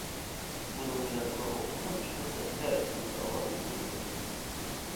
بۇنىڭ بىلەن ئۇلار ئولتۇرغان ئۈستەلدە سەت كۈلكە ئاۋازى كۆتۈرۈلدى.